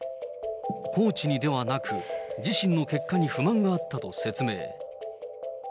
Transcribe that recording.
コーチにではなく、自身の結果に不満があったと説明。